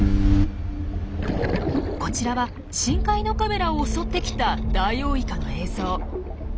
こちらは深海のカメラを襲ってきたダイオウイカの映像。